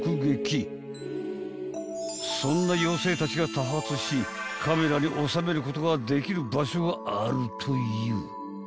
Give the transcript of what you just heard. ［そんな妖精たちが多発しカメラに収めることができる場所があるという］